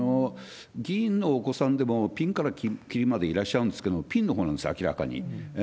議員のお子さんでも、ぴんからきりまでいらっしゃるんですけれども、ぴんのほうなんです、明らかに。